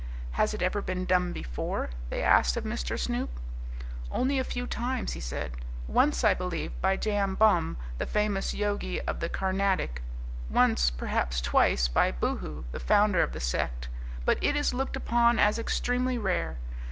"Has it ever been done before?" they asked of Mr. Snoop. "Only a few times," he said; "once, I believe, by Jam bum, the famous Yogi of the Carnatic; once, perhaps twice, by Boohoo, the founder of the sect. But it is looked upon as extremely rare.